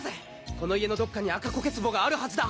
この家のどっかに赤こけ壺があるはずだ！